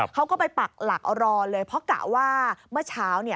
เขาก็ไปปักหลักรอเลยเพราะกะว่าเมื่อเช้า